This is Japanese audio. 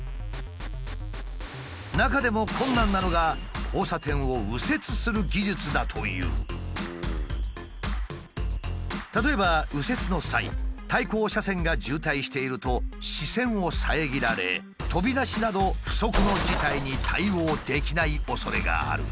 中でも困難なのが例えば右折の際対向車線が渋滞していると視線を遮られ飛び出しなど不測の事態に対応できない恐れがある。